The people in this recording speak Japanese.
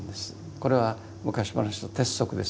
これは昔話の鉄則です。